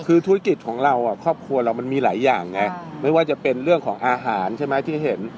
คือธุรกิจของเราครอบครัวเรามันมีหลายอย่างไงไม่ว่าจะเป็นเรื่องของอาหารใช่ไหมที่เห็น